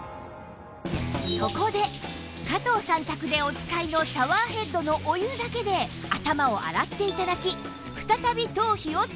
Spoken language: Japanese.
そこで加藤さん宅でお使いのシャワーヘッドのお湯だけで頭を洗って頂き